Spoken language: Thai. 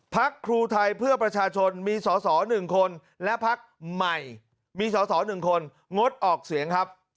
ครูไทยเพื่อประชาชนมีสอสอ๑คนและพักใหม่มีสอสอ๑คนงดออกเสียงครับ